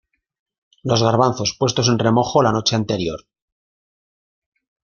Los garbanzos puestos en remojo la noche anterior.